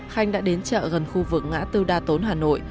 khanh đã đến chợ gần khu vực ngã tư đa tốn hà nội